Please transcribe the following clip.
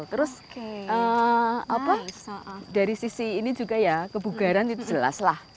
terus dari sisi ini juga ya kebugaran itu jelas lah